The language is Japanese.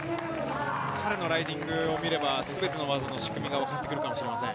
彼のライディングを見れば、すべての技の仕組みがわかるかもしれません。